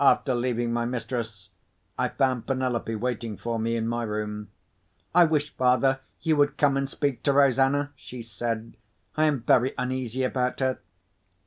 After leaving my mistress, I found Penelope waiting for me in my room. "I wish, father, you would come and speak to Rosanna," she said. "I am very uneasy about her."